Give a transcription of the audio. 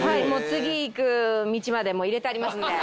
次行く道までもう入れてありますので。